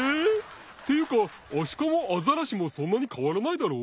っていうかアシカもアザラシもそんなにかわらないだろう？